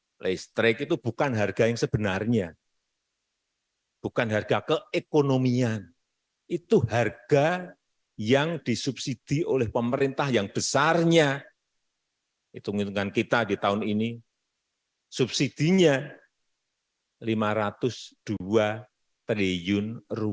pertamax playstrike itu bukan harga yang sebenarnya bukan harga keekonomian itu harga yang disubsidi oleh pemerintah yang besarnya hitung hitungan kita di tahun ini subsidinya rp lima ratus dua triliun